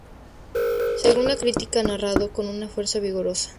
Según la crítica "narrado con una fuerza vigorosa".